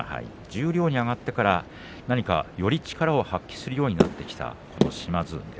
十両に上がってから何かより力を発揮するようになっているという島津海。